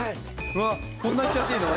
うわっこんないっちゃっていいの？